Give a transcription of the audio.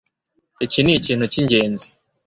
Iki nikintu cyingenzi